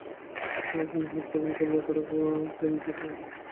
আমরা কোনো হট্টগোল করলে তারা ট্রেনটা থামিয়ে দেবে।